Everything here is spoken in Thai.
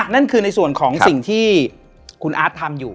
นั่นคือในส่วนของสิ่งที่คุณอาร์ตทำอยู่